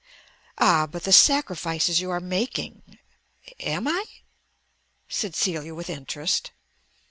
"Ah, but the sacrifices you are making." "Am I?" said Celia, with interest.